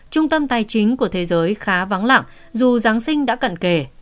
trung tâm tài chính của thế giới khá vắng lặng dù giáng sinh đã cận kề